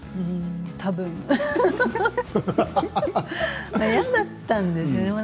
多分嫌だったんですよね。